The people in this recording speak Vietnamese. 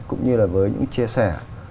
cũng như là với những chia sẻ